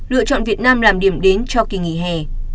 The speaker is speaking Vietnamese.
lựa chọn việt nam làm điểm đến cho kỳ nghỉ hè